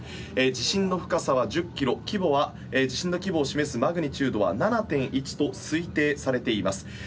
地震の深さは１０キロ規模は地震の規模を示すマグニチュードは７．１と推定されています。